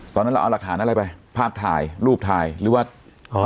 ตอนนั้นเราเอาหลักฐานอะไรไปภาพถ่ายรูปถ่ายหรือว่าอ๋อ